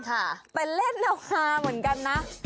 ไปเล่นเหมือนกันนะ